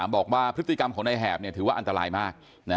บอกว่าพฤติกรรมของนายแหบถือว่าอันตรายมาก